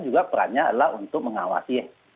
juga perannya adalah untuk mengawasi